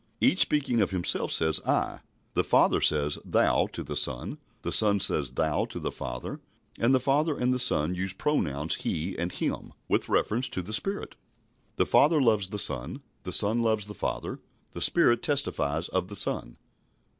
Each speaking of Himself says "I." The Father says "Thou" to the Son, the Son says "Thou" to the Father, and the Father and the Son use the pronouns "He" and "Him" with reference to the Spirit. The Father loves the Son, the Son loves the Father, the Spirit testifies of the Son.